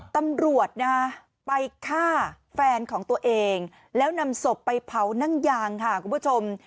ตำรวจนะฮะไปฆ่าแฟนของตัวเองแล้วนำศพไปเผานั่งยางค่ะคุณผู้ชม